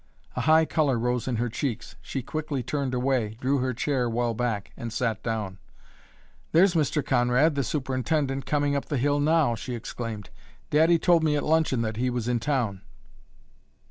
A higher color rose in her cheeks; she quickly turned away, drew her chair well back, and sat down. "There's Mr. Conrad, the superintendent, coming up the hill now!" she exclaimed. "Daddy told me at luncheon that he was in town."